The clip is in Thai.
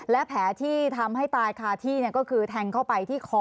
และแผลที่ทำให้ตายคาที่ก็คือแทงเข้าไปที่คอ